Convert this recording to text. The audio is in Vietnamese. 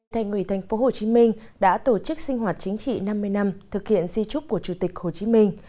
thành ủy tp hcm đã tổ chức sinh hoạt chính trị năm mươi năm thực hiện di trúc của chủ tịch hồ chí minh